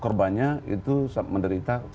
korbannya itu menderita